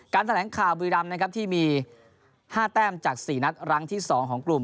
แถลงข่าวบุรีรำนะครับที่มี๕แต้มจาก๔นัดรั้งที่๒ของกลุ่ม